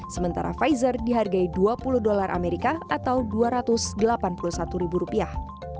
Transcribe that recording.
sementara pfizer dihargai dua puluh dolar amerika atau dua ratus delapan puluh satu ribu rupiah